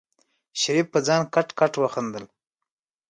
شريف په ځان کټ کټ وخندل.